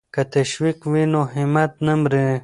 که تشویق وي نو همت نه مري.